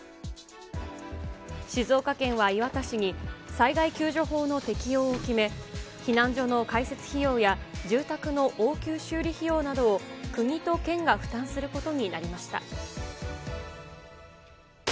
静岡県は磐田市に、災害救助法の適用を決め、避難所の開設費用や、住宅の応急修理費用などを、国と県が負担することになりました。